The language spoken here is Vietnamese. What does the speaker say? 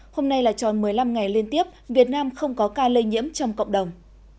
hôm nay là tròn một mươi năm ngày liên tiếp việt nam không có ca lây nhiễm trong cộng đồng